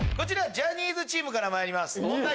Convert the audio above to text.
ジャニーズチームからまいります問題